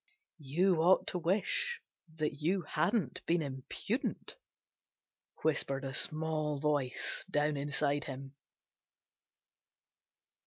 "You ought to wish that you hadn't been impudent," whispered a small voice down inside him.